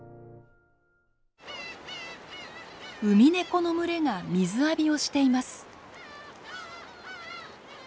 ウミネコの群れが水浴びをしています。